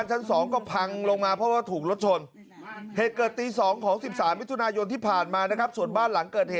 เหมือนโดนทิ้งระเบิด